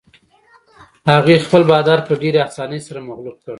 هغې خپل بادار په ډېرې اسانۍ سره مغلوب کړ.